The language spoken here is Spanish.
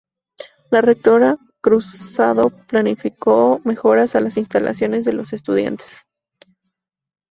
La rectora Cruzado planificó mejoras a las instalaciones de los estudiantes.